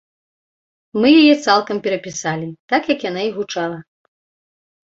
Мы яе цалкам перапісалі, так, як яна і гучала.